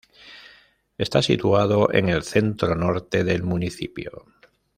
Está situado en el centro-norte del municipio.